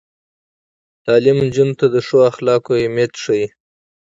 تعلیم نجونو ته د ښو اخلاقو اهمیت ښيي.